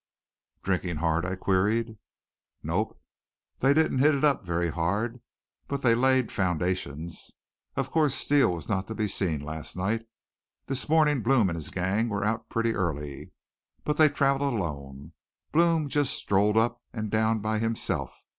"Drinking hard?" I queried. "Nope they didn't hit it up very hard. But they laid foundations." Of course, Steele was not to be seen last night. This morning Blome and his gang were out pretty early. But they traveled alone. Blome just strolled up and down by himself.